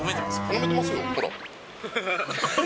飲めてますよ、ほら。